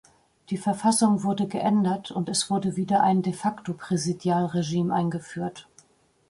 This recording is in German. Die Verfassung wurde geändert und es wurde wieder ein De-facto-Präsidialregime eingeführt.